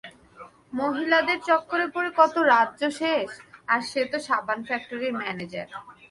মহিলাদের চক্করে পড়ে কতো রাজ্য শেষ, আর সেতো সাবান ফ্যাক্টরির ম্যানেজার।